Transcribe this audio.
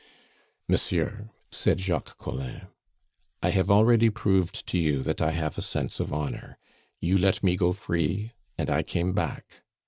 "Monsieur," said Jacques Collin, "I have already proved to you that I have a sense of honor. You let me go free, and I came back.